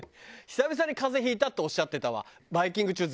「久々に風邪ひいた」っておっしゃってたわ。